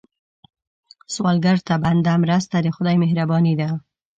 سوالګر ته بنده مرسته، د خدای مهرباني ده